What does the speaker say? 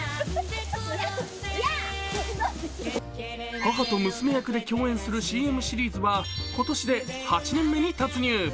母と娘役で共演するＣＭシリーズは今年で８年目に突入。